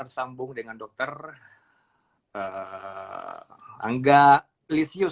sambung dengan dokter angga lysius